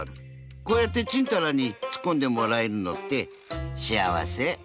こうやってちんたらにツッコんでもらえるのって幸せ。